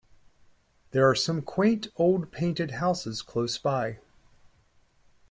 There are some quaint old painted houses close by.